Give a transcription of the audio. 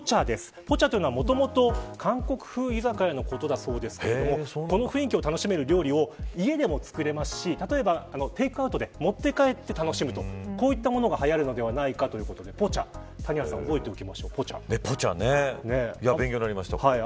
ポチャは、もともと韓国風居酒屋のことだそうですがこの雰囲気を楽しめる料理を家でも作れますしテークアウトで持って帰って楽しむこういったものがはやるのではないか、ということでポチャ勉強になりました。